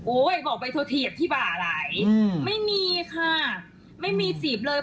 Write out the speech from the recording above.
โอ้ยบอกไปโทรเทียบที่บ่าอะไรอืมไม่มีค่ะไม่มีจีบเลย